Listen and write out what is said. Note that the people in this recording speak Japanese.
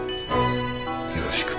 よろしく。